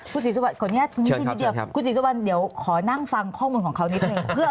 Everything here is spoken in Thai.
คุณศิษย์สุบันขออนุญาตนิดนิดเดียวคุณศิษย์สุบันเดี๋ยวขอนั่งฟังข้อมูลของเขานิดหนึ่ง